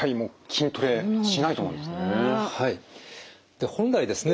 で本来ですね